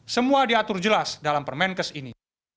semua diatur jelas dalam permenkes ini